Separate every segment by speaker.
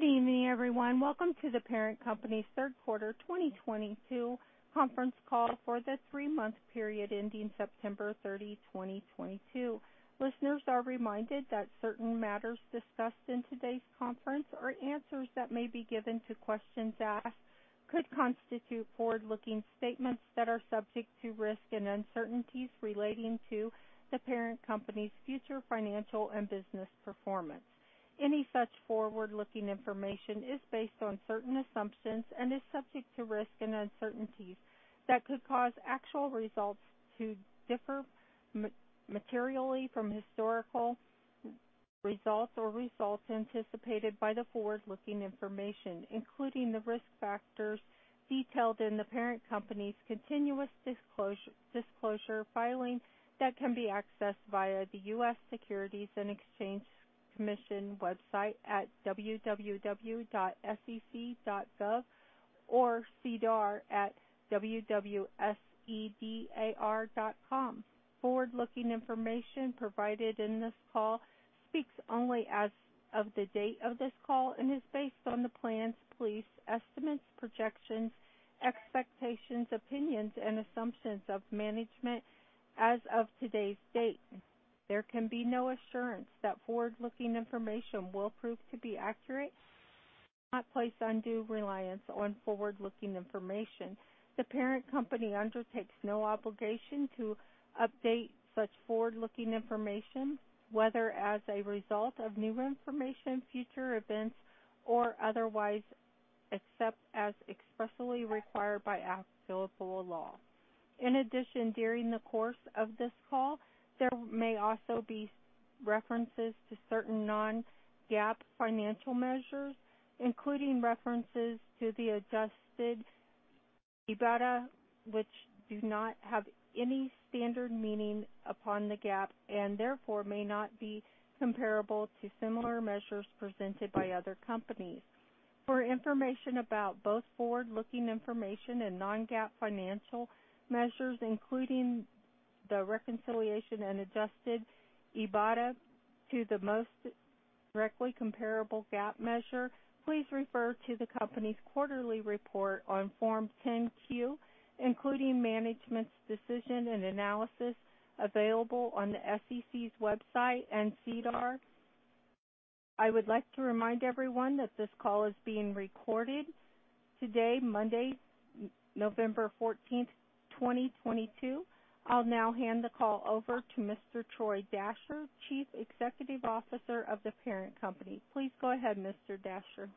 Speaker 1: Good evening, everyone. Welcome to The Parent Company's third quarter 2022 conference call for the three-month period ending September 30, 2022. Listeners are reminded that certain matters discussed in today's conference or answers that may be given to questions asked could constitute forward-looking statements that are subject to risks and uncertainties relating to The Parent Company's future financial and business performance. Any such forward-looking information is based on certain assumptions and is subject to risks and uncertainties that could cause actual results to differ materially from historical results or results anticipated by the forward-looking information, including the risk factors detailed in The Parent Company's continuous disclosure filings that can be accessed via the U.S. Securities and Exchange Commission website at www.sec.gov, or SEDAR at www.sedar.com. Forward-looking information provided in this call speaks only as of the date of this call and is based on the plans, beliefs, estimates, projections, expectations, opinions, and assumptions of management as of today's date. There can be no assurance that forward-looking information will prove to be accurate. Do not place undue reliance on forward-looking information. The Parent Company undertakes no obligation to update such forward-looking information, whether as a result of new information, future events, or otherwise, except as expressly required by applicable law. In addition, during the course of this call, there may also be references to certain non-GAAP financial measures, including references to adjusted EBITDA, which do not have any standard meaning under GAAP, and therefore may not be comparable to similar measures presented by other companies. For information about both forward-looking information and non-GAAP financial measures, including the reconciliation and adjusted EBITDA to the most directly comparable GAAP measure, please refer to the company's quarterly report on Form 10-Q, including management's discussion and analysis available on the SEC's website and SEDAR. I would like to remind everyone that this call is being recorded today, Monday, November 14th, 2022. I'll now hand the call over to Mr. Troy Datcher, Chief Executive Officer of The Parent Company. Please go ahead, Mr. Datcher.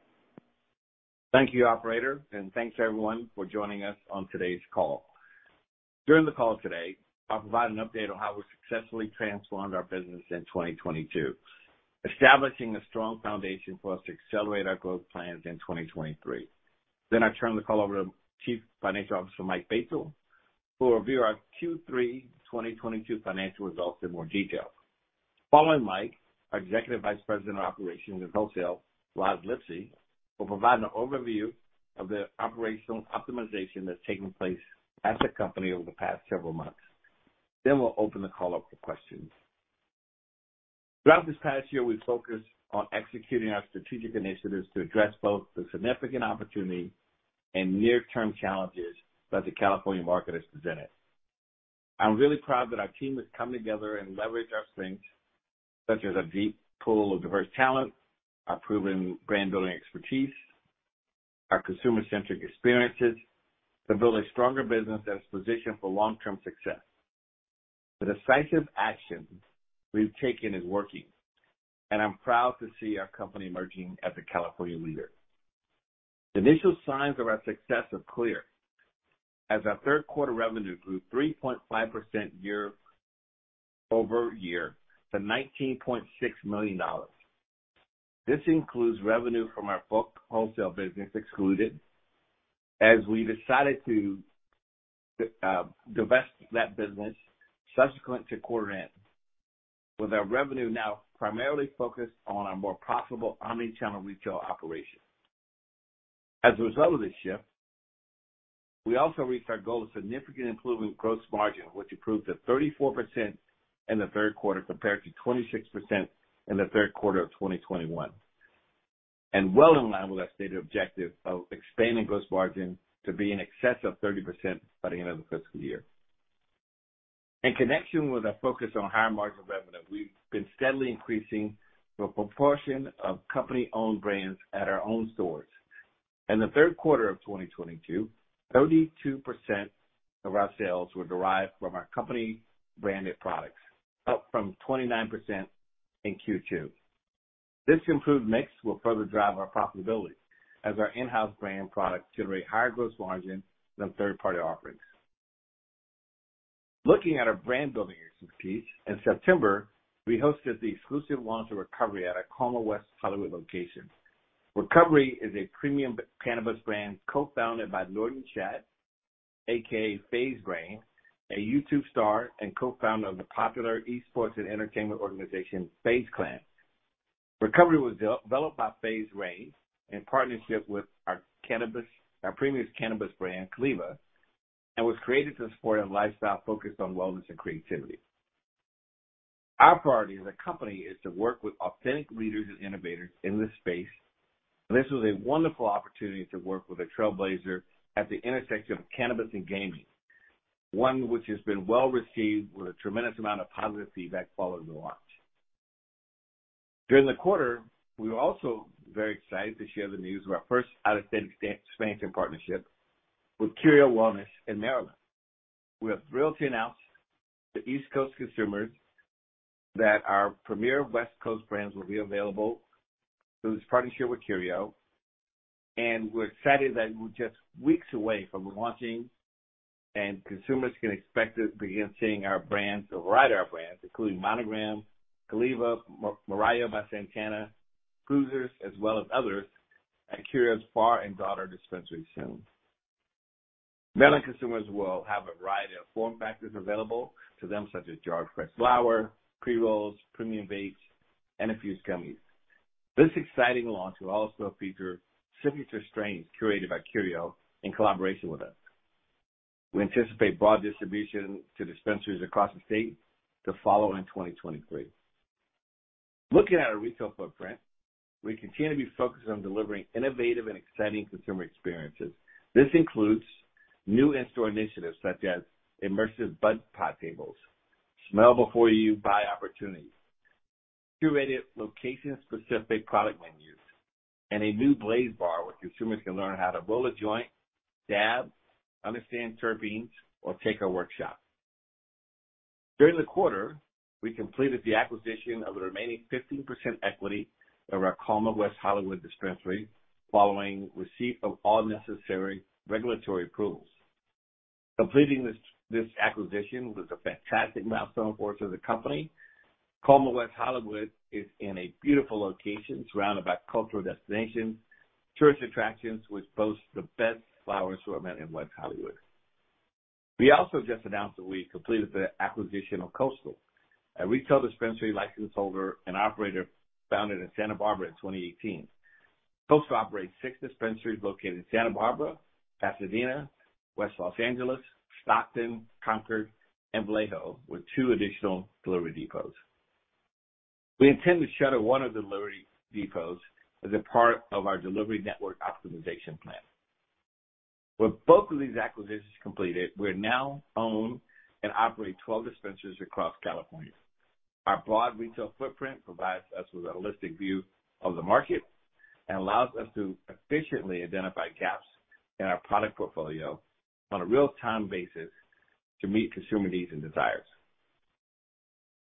Speaker 2: Thank you, operator, and thanks everyone for joining us on today's call. During the call today, I'll provide an update on how we successfully transformed our business in 2022, establishing a strong foundation for us to accelerate our growth plans in 2023. I turn the call over to Chief Financial Officer Mike Batesole, who will review our Q3 2022 financial results in more detail. Following Mike, our Executive Vice President of Operations and Wholesale, Rozlyn Lipsey, will provide an overview of the operational optimization that's taken place at the company over the past several months. We'll open the call up for questions. Throughout this past year, we've focused on executing our strategic initiatives to address both the significant opportunity and near-term challenges that the California market has presented. I'm really proud that our team has come together and leveraged our strengths, such as a deep pool of diverse talent, our proven brand-building expertise, our consumer-centric experiences, to build a stronger business that is positioned for long-term success. The decisive action we've taken is working, and I'm proud to see our company emerging as a California leader. The initial signs of our success are clear, as our third quarter revenue grew 3.5% year-over-year to $19.6 million. This includes revenue from our bulk wholesale business excluded, as we decided to divest that business subsequent to quarter end, with our revenue now primarily focused on our more profitable omni-channel retail operation. As a result of this shift, we also reached our goal of significantly improving gross margin, which improved to 34% in the third quarter compared to 26% in the third quarter of 2021, and well in line with our stated objective of expanding gross margin to be in excess of 30% by the end of the fiscal year. In connection with our focus on higher margin revenue, we've been steadily increasing the proportion of company-owned brands at our own stores. In the third quarter of 2022, 32% of our sales were derived from our company-branded products, up from 29% in Q2. This improved mix will further drive our profitability as our in-house brand products generate higher gross margins than third-party offerings. Looking at our brand-building expertise, in September, we hosted the exclusive launch of Recovery at our Calma West Hollywood location. Recovery is a premium cannabis brand co-founded by Nordan Shat, AKA FaZe Rain, a YouTube star and co-founder of the popular esports and entertainment organization FaZe Clan. Recovery was developed by in partnership with our cannabis, our previous cannabis brand, Caliva, and was created to support a lifestyle focused on wellness and creativity. Our priority as a company is to work with authentic leaders and innovators in this space. This was a wonderful opportunity to work with a trailblazer at the intersection of cannabis and gaming, one which has been well received with a tremendous amount of positive feedback following the launch. During the quarter, we were also very excited to share the news of our first out-of-state expansion partnership with Curio Wellness in Maryland. We are thrilled to announce to East Coast consumers that our premier West Coast brands will be available through this partnership with Curio, and we're excited that we're just weeks away from launching, and consumers can expect to begin seeing our brands, a variety of our brands, including Monogram, Caliva, Mirayo by Santana, Cruisers, as well as others at Curio's Far & Dotter dispensaries soon. Maryland consumers will have a variety of form factors available to them, such as jarred fresh flower, pre-rolls, premium vapes, and infused gummies. This exciting launch will also feature signature strains curated by Curio in collaboration with us. We anticipate broad distribution to dispensaries across the state to follow in 2023. Looking at our retail footprint, we continue to be focused on delivering innovative and exciting consumer experiences. This includes new in-store initiatives such as immersive bud pod tables, smell before you buy opportunities, curated location-specific product menus, and a new Blaze Bar where consumers can learn how to roll a joint, dab, understand terpenes, or take a workshop. During the quarter, we completed the acquisition of the remaining 15% equity of our Calma West Hollywood dispensary following receipt of all necessary regulatory approvals. Completing this acquisition was a fantastic milestone for the company. Calma West Hollywood is in a beautiful location surrounded by cultural destinations, tourist attractions, which boasts the best flower assortment in West Hollywood. We also just announced that we completed the acquisition of Coastal, a retail dispensary license holder and operator founded in Santa Barbara in 2018. Coastal operates six dispensaries located in Santa Barbara, Pasadena, West Los Angeles, Stockton, Concord, and Vallejo, with two additional delivery depots. We intend to shutter one of the delivery depots as a part of our delivery network optimization plan. With both of these acquisitions completed, we now own and operate 12 dispensaries across California. Our broad retail footprint provides us with a holistic view of the market and allows us to efficiently identify gaps in our product portfolio on a real-time basis to meet consumer needs and desires.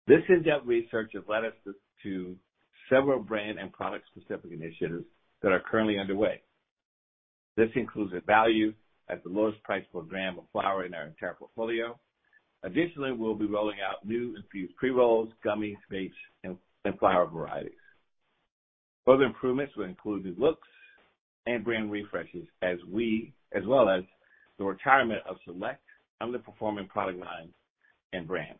Speaker 2: This in-depth research has led us to several brand and product-specific initiatives that are currently underway. This includes Cruisers at the lowest price per gram of flower in our entire portfolio. Additionally, we'll be rolling out new infused pre-rolls, gummies, vapes, and flower varieties. Further improvements will include new looks and brand refreshes as well as the retirement of select underperforming product lines and brands.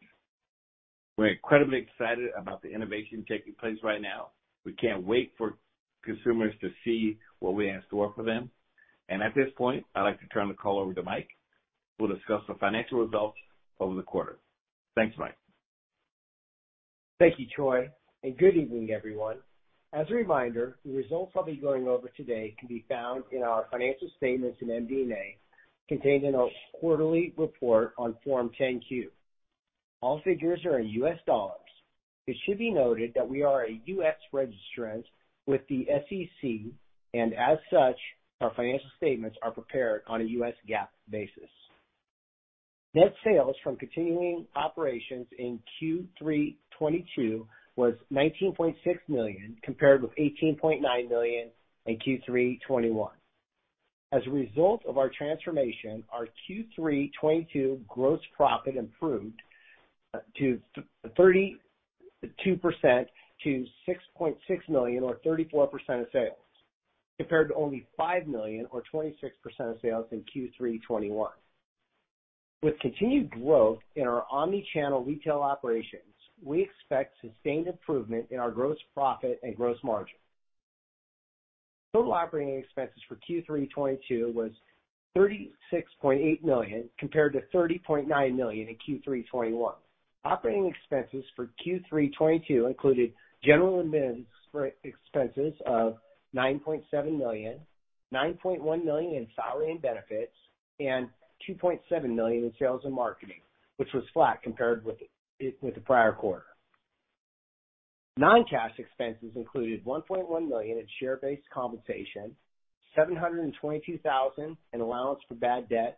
Speaker 2: We're incredibly excited about the innovation taking place right now. We can't wait for consumers to see what we have in store for them. At this point, I'd like to turn the call over to Mike, who will discuss the financial results over the quarter. Thanks, Mike.
Speaker 3: Thank you, Troy, and good evening, everyone. As a reminder, the results I'll be going over today can be found in our financial statements and MD&A contained in our quarterly report on Form 10-Q. All figures are in U.S. dollars. It should be noted that we are a U.S. registrant with the SEC, and as such, our financial statements are prepared on a U.S. GAAP basis. Net sales from continuing operations in Q3 2022 was $19.6 million, compared with $18.9 million in Q3 2021. As a result of our transformation, our Q3 2022 gross profit improved to $6.6 million or 34% of sales, compared to only $5 million or 26% of sales in Q3 2021. With continued growth in our omni-channel retail operations, we expect sustained improvement in our gross profit and gross margin. Total operating expenses for Q3 2022 was $36.8 million compared to $30.9 million in Q3 2021. Operating expenses for Q3 2022 included general and admin expenses of $9.7 million, $9.1 million in salary and benefits, and $2.7 million in sales and marketing, which was flat compared with the prior quarter. Non-cash expenses included $1.1 million in share-based compensation, $722 thousand in allowance for bad debts,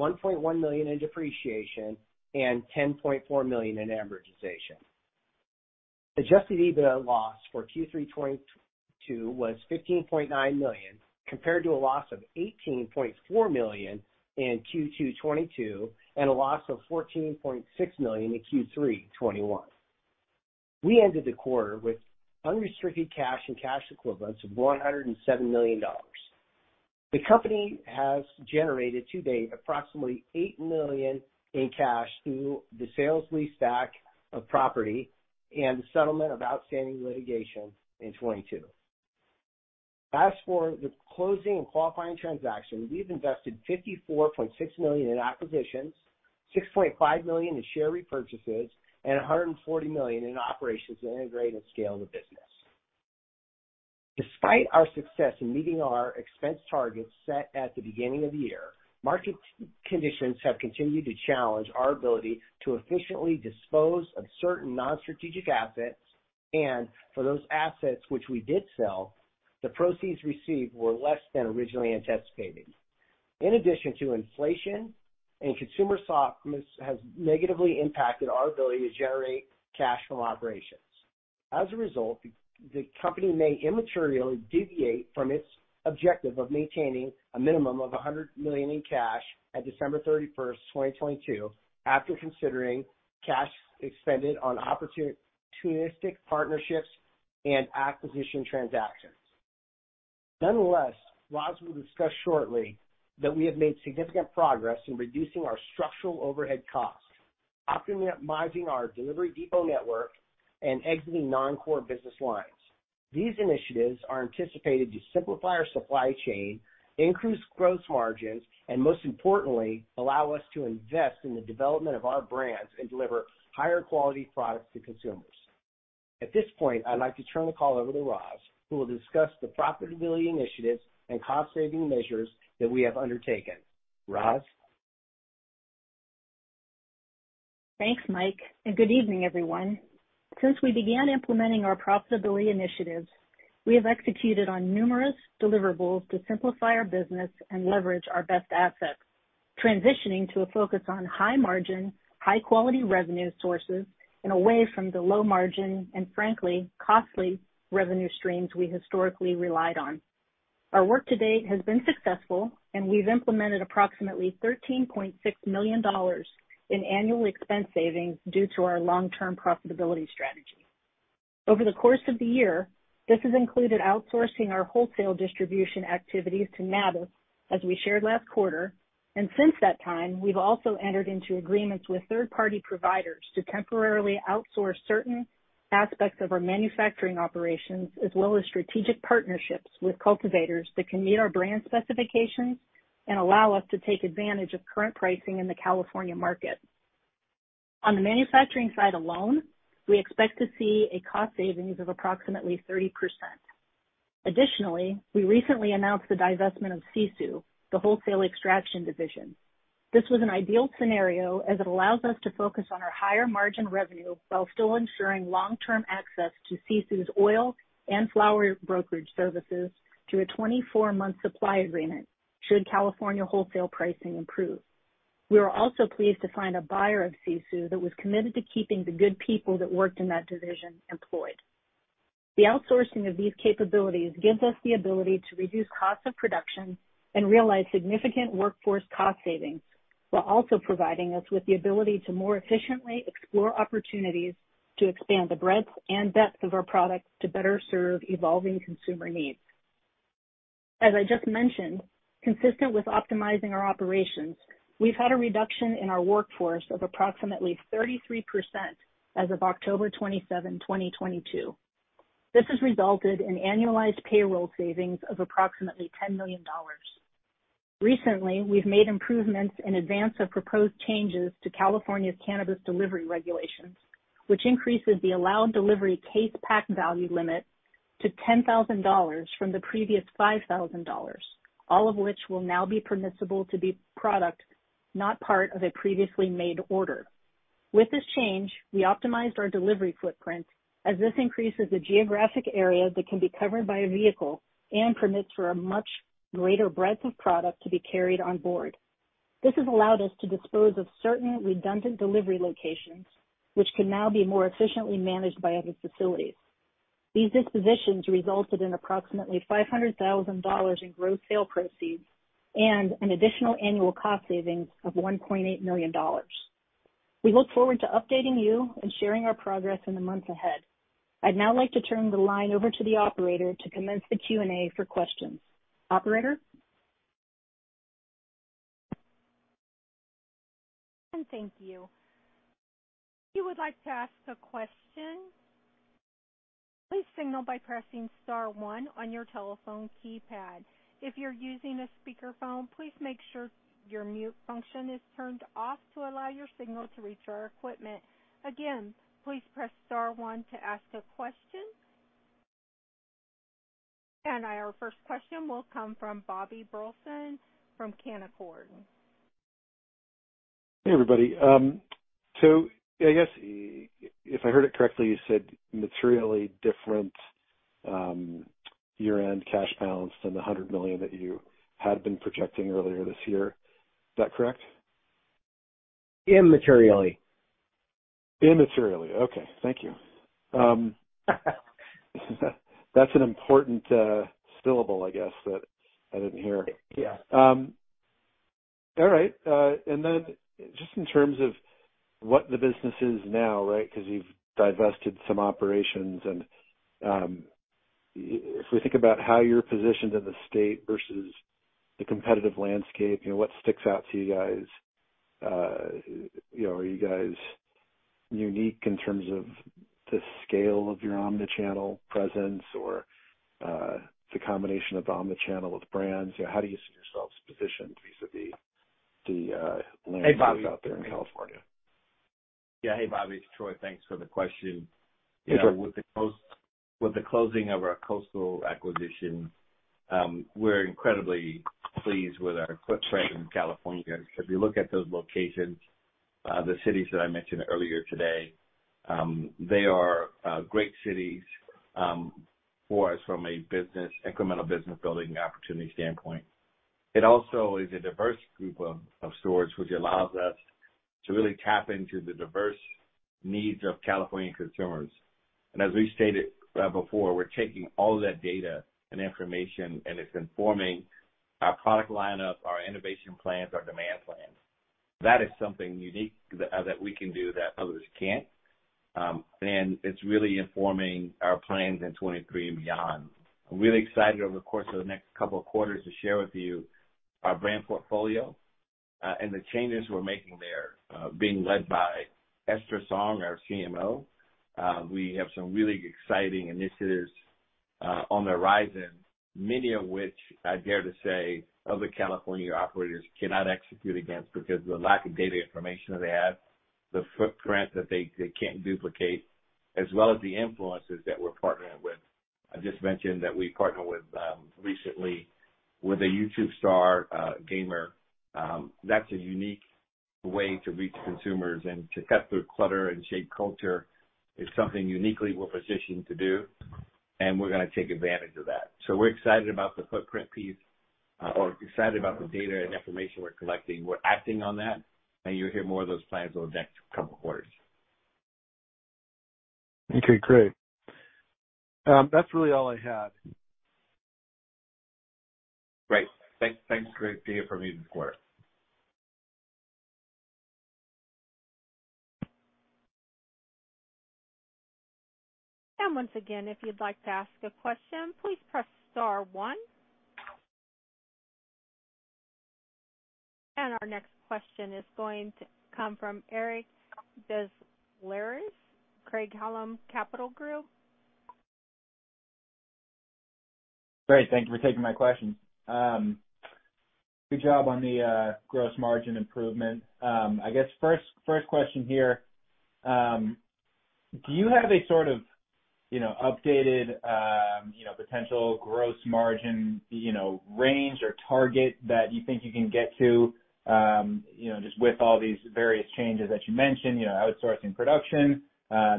Speaker 3: $1.1 million in depreciation, and $10.4 million in amortization. Adjusted EBITDA loss for Q3 2022 was $15.9 million, compared to a loss of $18.4 million in Q2 2022 and a loss of $14.6 million in Q3 2021. We ended the quarter with unrestricted cash and cash equivalents of $107 million. The company has generated to date approximately $8 million in cash through the sales leaseback of property and the settlement of outstanding litigation in 2022. As for the closing and qualifying transaction, we've invested $54.6 million in acquisitions, $6.5 million in share repurchases, and $140 million in operations to integrate and scale the business. Despite our success in meeting our expense targets set at the beginning of the year, market conditions have continued to challenge our ability to efficiently dispose of certain non-strategic assets, and for those assets which we did sell, the proceeds received were less than originally anticipated. In addition to inflation and consumer softness has negatively impacted our ability to generate cash from operations. As a result, the company may immaterially deviate from its objective of maintaining a minimum of $100 million in cash at December 31st, 2022, after considering cash expended on opportunistic partnerships and acquisition transactions. Nonetheless, Roz will discuss shortly that we have made significant progress in reducing our structural overhead costs, optimizing our delivery depot network, and exiting non-core business lines. These initiatives are anticipated to simplify our supply chain, increase gross margins, and most importantly, allow us to invest in the development of our brands and deliver higher quality products to consumers. At this point, I'd like to turn the call over to Roz, who will discuss the profitability initiatives and cost saving measures that we have undertaken. Roz?
Speaker 4: Thanks, Mike, and good evening, everyone. Since we began implementing our profitability initiatives, we have executed on numerous deliverables to simplify our business and leverage our best assets, transitioning to a focus on high margin, high quality revenue sources and away from the low margin and frankly, costly revenue streams we historically relied on. Our work to date has been successful and we've implemented approximately $13.6 million in annual expense savings due to our long-term profitability strategy. Over the course of the year, this has included outsourcing our wholesale distribution activities to Nabis, as we shared last quarter. Since that time, we've also entered into agreements with third-party providers to temporarily outsource certain aspects of our manufacturing operations, as well as strategic partnerships with cultivators that can meet our brand specifications and allow us to take advantage of current pricing in the California market. On the manufacturing side alone, we expect to see a cost savings of approximately 30%. Additionally, we recently announced the divestment of SISU, the wholesale extraction division. This was an ideal scenario as it allows us to focus on our higher margin revenue while still ensuring long-term access to SISU's oil and flower brokerage services through a 24-month supply agreement, should California wholesale pricing improve. We are also pleased to find a buyer of SISU that was committed to keeping the good people that worked in that division employed. The outsourcing of these capabilities gives us the ability to reduce cost of production and realize significant workforce cost savings, while also providing us with the ability to more efficiently explore opportunities to expand the breadth and depth of our products to better serve evolving consumer needs. As I just mentioned, consistent with optimizing our operations, we've had a reduction in our workforce of approximately 33% as of October 27, 2022. This has resulted in annualized payroll savings of approximately $10 million. Recently, we've made improvements in advance of proposed changes to California's cannabis delivery regulations, which increases the allowed delivery case pack value limit to $10,000 from the previous $5,000, all of which will now be permissible to be product, not part of a previously made order. With this change, we optimized our delivery footprint as this increases the geographic area that can be covered by a vehicle and permits for a much greater breadth of product to be carried on board. This has allowed us to dispose of certain redundant delivery locations, which can now be more efficiently managed by other facilities. These dispositions resulted in approximately $500,000 in gross sales proceeds and an additional annual cost savings of $1.8 million. We look forward to updating you and sharing our progress in the months ahead. I'd now like to turn the line over to the operator to commence the Q&A for questions. Operator?
Speaker 1: Thank you. If you would like to ask a question, please signal by pressing star one on your telephone keypad. If you're using a speakerphone, please make sure your mute function is turned off to allow your signal to reach our equipment. Again, please press star one to ask a question. Our first question will come from Bobby Burleson from Canaccord.
Speaker 5: Hey, everybody. I guess if I heard it correctly, you said materially different year-end cash balance than the $100 million that you had been projecting earlier this year. Is that correct?
Speaker 3: Immaterially.
Speaker 5: Immaterially. Okay. Thank you. That's an important syllable, I guess, that I didn't hear.
Speaker 3: Yeah.
Speaker 5: All right. Then just in terms of what the business is now, right, because you've divested some operations and, if we think about how you're positioned in the state versus the competitive landscape, you know, what sticks out to you guys? You know, are you guys unique in terms of the scale of your omni-channel presence or, the combination of omni-channel with brands. How do you see yourselves positioned vis-à-vis the landscapes out there in California?
Speaker 2: Yeah. Hey, Bobby, it's Troy. Thanks for the question.
Speaker 5: Sure.
Speaker 2: With the closing of our Coastal acquisition, we're incredibly pleased with our footprint in California. If you look at those locations, the cities that I mentioned earlier today, they are great cities for us from a business, incremental business building opportunity standpoint. It also is a diverse group of stores, which allows us to really tap into the diverse needs of California consumers. As we stated before, we're taking all of that data and information, and it's informing our product lineup, our innovation plans, our demand plans. That is something unique that we can do that others can't, and it's really informing our plans in 2023 and beyond. I'm really excited over the course of the next couple of quarters to share with you our brand portfolio, and the changes we're making there, being led by Esther Song, our CMO. We have some really exciting initiatives on the horizon, many of which I dare to say other California operators cannot execute against because the lack of data information that they have, the footprint that they can't duplicate, as well as the influences that we're partnering with. I just mentioned that we partnered with recently with a YouTube star, gamer. That's a unique way to reach consumers and to cut through clutter and shape culture is something uniquely we're positioned to do, and we're gonna take advantage of that. We're excited about the footprint piece, or excited about the data and information we're collecting. We're acting on that, and you'll hear more of those plans over the next couple of quarters.
Speaker 5: Okay, great. That's really all I had.
Speaker 2: Great. Thanks for being a part of this quarter.
Speaker 1: Once again, if you'd like to ask a question, please press star one. Our next question is going to come from Eric Des Lauriers, Craig-Hallum Capital Group.
Speaker 6: Great. Thank you for taking my question. Good job on the gross margin improvement. I guess first question here, do you have a sort of, you know, updated, you know, potential gross margin, you know, range or target that you think you can get to, you know, just with all these various changes that you mentioned, you know, outsourcing production,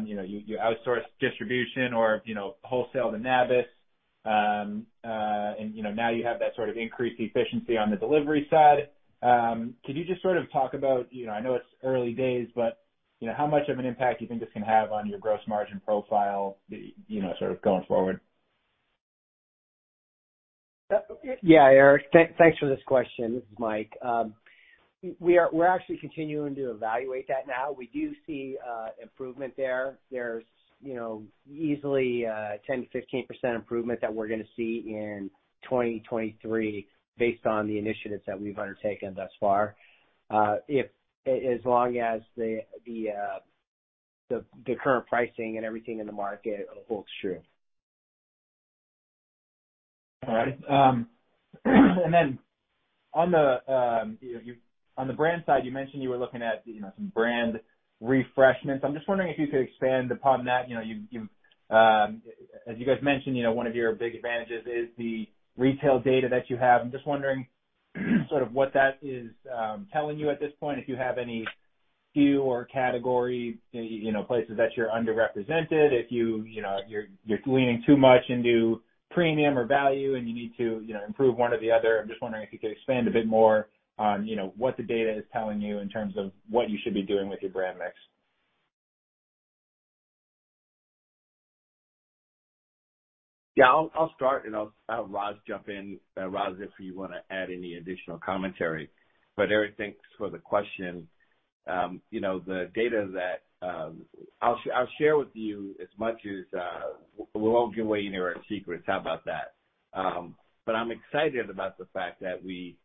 Speaker 6: you know, you outsource distribution or, you know, wholesale to Nabis, and, you know, now you have that sort of increased efficiency on the delivery side. Could you just sort of talk about, you know, I know it's early days, but, you know, how much of an impact you think this can have on your gross margin profile, you know, sort of going forward?
Speaker 3: Yeah, Eric, thanks for this question. This is Mike. We're actually continuing to evaluate that now. We do see improvement there. There's, you know, easily, 10%-15% improvement that we're gonna see in 2023 based on the initiatives that we've undertaken thus far. If as long as the current pricing and everything in the market holds true.
Speaker 6: All right. Then on the brand side, you mentioned you were looking at, you know, some brand refreshments. I'm just wondering if you could expand upon that. You know, you've as you guys mentioned, you know, one of your big advantages is the retail data that you have. I'm just wondering sort of what that is telling you at this point, if you have any SKU or category, you know, places that you're underrepresented, if you know, you're leaning too much into premium or value and you need to, you know, improve one or the other. I'm just wondering if you could expand a bit more on, you know, what the data is telling you in terms of what you should be doing with your brand mix.
Speaker 2: Yeah, I'll start and I'll have Roz jump in. Roz, if you wanna add any additional commentary. Eric, thanks for the question. You know, the data that I'll share with you as much as we won't give away any of our secrets. How about that? I'm excited about the fact that we,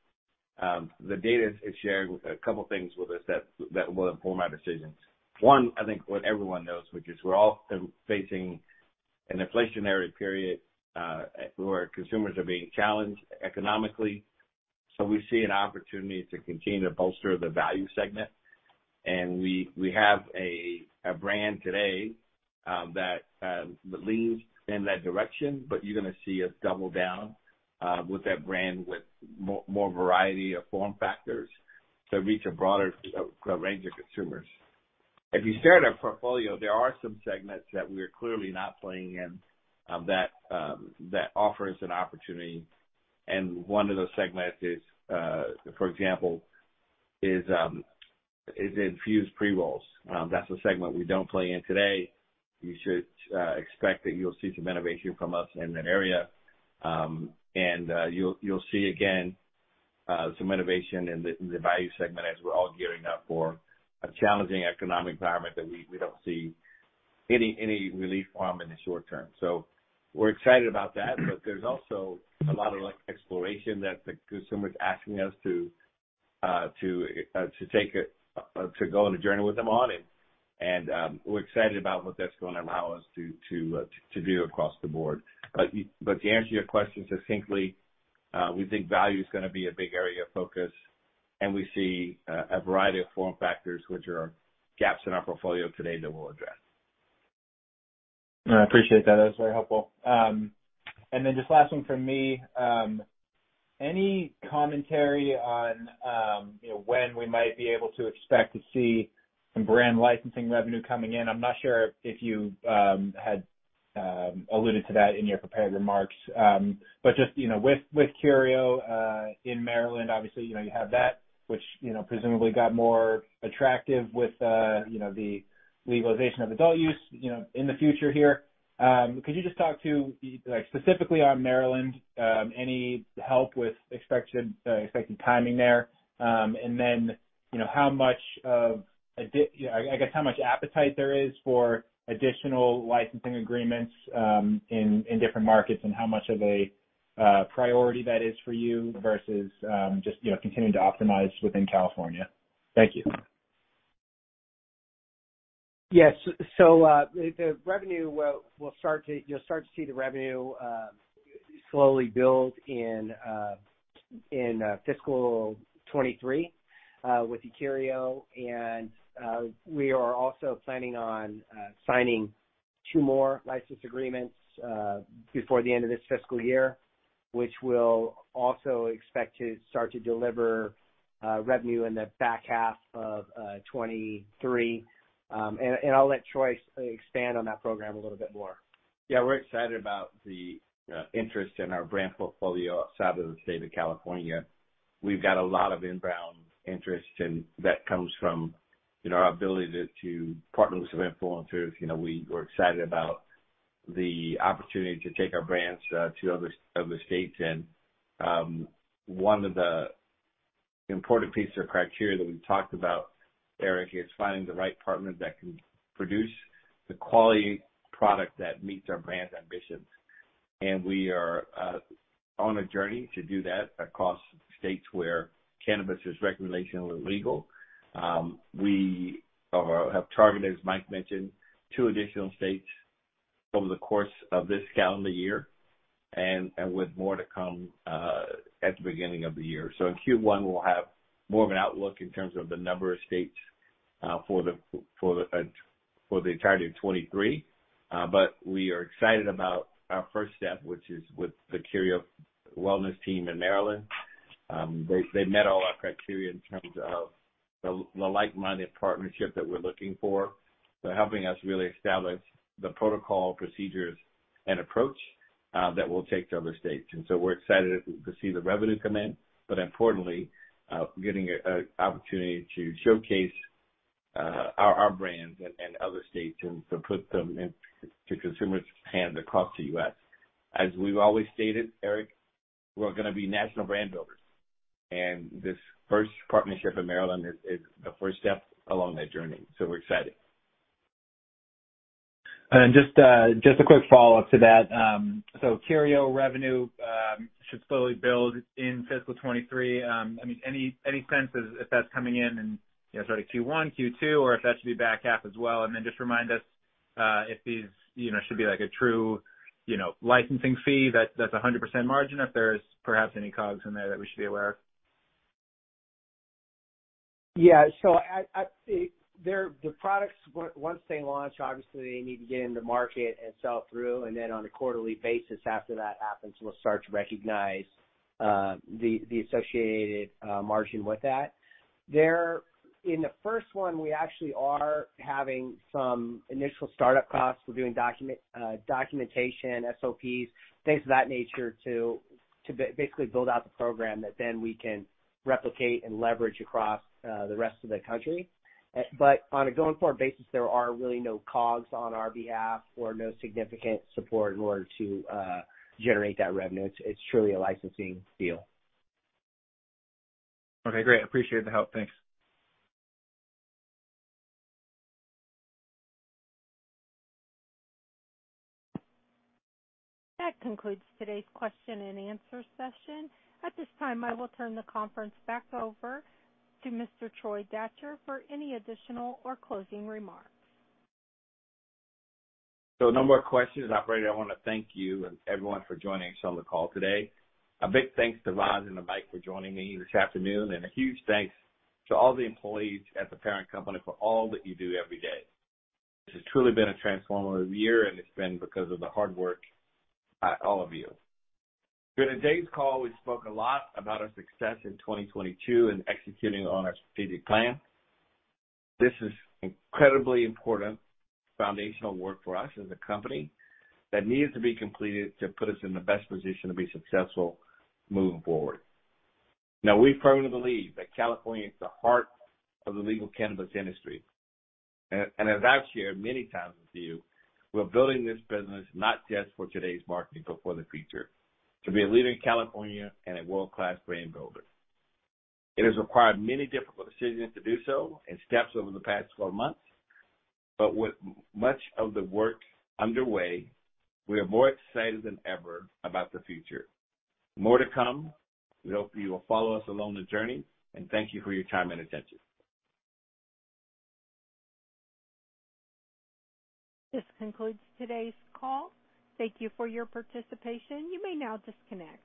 Speaker 2: the data shares a couple things with us that will inform our decisions. One, I think what everyone knows, which is we're all facing an inflationary period where consumers are being challenged economically. We see an opportunity to continue to bolster the value segment. We have a brand today that leans in that direction, but you're gonna see us double down with that brand with more variety of form factors to reach a broader range of consumers. If you stare at our portfolio, there are some segments that we are clearly not playing in that offer us an opportunity. One of those segments is, for example, infused pre-rolls. That's a segment we don't play in today. You should expect that you'll see some innovation from us in that area. You'll see, again, some innovation in the value segment as we're all gearing up for a challenging economic environment that we don't see any relief from in the short term. We're excited about that. There's also a lot of, like, exploration that the consumer is asking us to go on a journey with them on it. We're excited about what that's gonna allow us to do across the board. To answer your question succinctly, we think value is gonna be a big area of focus, and we see a variety of form factors which are gaps in our portfolio today that we'll address.
Speaker 6: I appreciate that. That was very helpful. Just last one from me. Any commentary on, you know, when we might be able to expect to see some brand licensing revenue coming in? I'm not sure if you had alluded to that in your prepared remarks. Just, you know, with Curio in Maryland, obviously, you know, you have that which, you know, presumably got more attractive with, you know, the legalization of adult use, you know, in the future here. Could you just talk to, like, specifically on Maryland, any help with expected timing there? You know, I guess, how much appetite there is for additional licensing agreements in different markets, and how much of a priority that is for you versus just you know, continuing to optimize within California. Thank you.
Speaker 3: Yes. You'll start to see the revenue slowly build in fiscal 2023 with the Curio. We are also planning on signing two more license agreements before the end of this fiscal year, which we'll also expect to start to deliver revenue in the back half of 2023. I'll let Troy expand on that program a little bit more.
Speaker 2: Yeah, we're excited about the interest in our brand portfolio outside of the state of California. We've got a lot of inbound interest, and that comes from, you know, our ability to partner with some influencers. You know, we were excited about the opportunity to take our brands to other states. One of the important pieces of criteria that we've talked about, Eric, is finding the right partner that can produce the quality product that meets our brand ambitions. We are on a journey to do that across states where cannabis is recreationally legal. We have targeted, as Mike mentioned, two additional states over the course of this calendar year and with more to come at the beginning of the year. In Q1, we'll have more of an outlook in terms of the number of states for the entirety of 2023. We are excited about our first step, which is with the Curio Wellness team in Maryland. They met all our criteria in terms of the like-minded partnership that we're looking for. They're helping us really establish the protocol, procedures, and approach that we'll take to other states. We're excited to see the revenue come in but importantly getting an opportunity to showcase our brands in other states and to put them into consumers' hands across the U.S. As we've always stated, Eric, we're gonna be national brand builders and this first partnership in Maryland is the first step along that journey, so we're excited.
Speaker 6: Just a quick follow-up to that. Curio revenue should slowly build in fiscal 2023. I mean, any sense if that's coming in, you know, sorry, Q1, Q2, or if that should be back half as well? Just remind us if these, you know, should be like a true, you know, licensing fee, that's 100% margin, if there's perhaps any COGS in there that we should be aware of.
Speaker 3: At their products, once they launch, obviously they need to get into market and sell through, and then on a quarterly basis after that happens, we'll start to recognize the associated margin with that. In the first one, we actually are having some initial startup costs. We're doing documentation, SOPs, things of that nature to basically build out the program that then we can replicate and leverage across the rest of the country. On a going forward basis, there are really no COGS on our behalf or no significant support in order to generate that revenue. It's truly a licensing deal.
Speaker 6: Okay, great. Appreciate the help. Thanks.
Speaker 1: That concludes today's question and answer session. At this time, I will turn the conference back over to Mr. Troy Datcher for any additional or closing remarks.
Speaker 2: A number of questions. Operator, I wanna thank you and everyone for joining us on the call today. A big thanks to Roz and to Mike for joining me this afternoon, and a huge thanks to all the employees at The Parent Company for all that you do every day. This has truly been a transformative year, and it's been because of the hard work by all of you. During today's call, we spoke a lot about our success in 2022 and executing on our strategic plan. This is incredibly important foundational work for us as a company that needed to be completed to put us in the best position to be successful moving forward. Now, we firmly believe that California is the heart of the legal cannabis industry. As I've shared many times with you, we're building this business not just for today's market, but for the future, to be a leader in California and a world-class brand builder. It has required many difficult decisions to do so and steps over the past 12 months, but with much of the work underway, we are more excited than ever about the future. More to come. We hope you will follow us along the journey and thank you for your time and attention.
Speaker 1: This concludes today's call. Thank you for your participation. You may now disconnect.